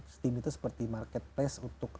steam itu seperti marketplace untuk